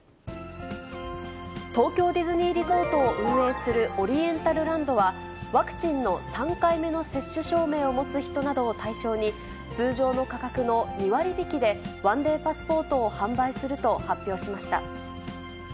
東京ディズニーリゾートを運営するオリエンタルランドは、ワクチンの３回目の接種証明を持つ人などを対象に、通常の価格の２割引きで１デーパスポートを販売すると発表しました。